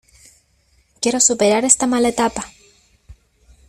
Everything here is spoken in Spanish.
Quiero superar esta mala etapa.